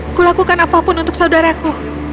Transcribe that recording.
aku lakukan apapun untuk saudaraku